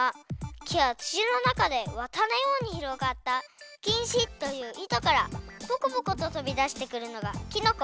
きやつちのなかでわたのようにひろがったきんしといういとからぽこぽこととびだしてくるのがきのこ。